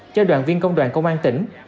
cho đoàn viên công đoàn công an tỉnh